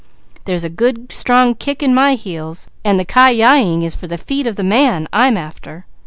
"There's a good strong kick in my heels, and the 'ki yi ing' is for the feet of the man I'm after."